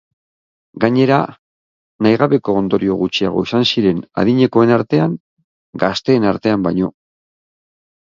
Gainera, nahi gabeko ondorio gutxiago izan ziren adinekoen artean gazteen artean baino.